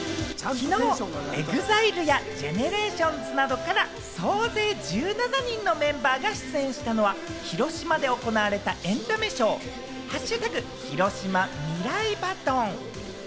昨日はＥＸＩＬＥやＧＥＮＥＲＡＴＩＯＮＳなどから総勢１７人のメンバーが出演したのは、広島で行われたエンタメショー、「＃ＨＩＲＯＳＨＩＭＡミライバトン」。